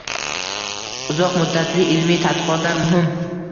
Uzoq muddatli ilmiy tadqiqotlar muhim